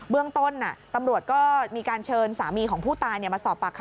เบื้องต้นอ่ะตำรวจก็มีการเชิญสามีของผู้ตายเนี่ยมาสอบปากคำเพิ่มเติม